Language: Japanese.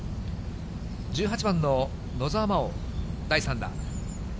１８番の野澤真央、第３打。